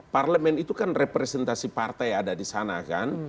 parlemen itu kan representasi partai ada di sana kan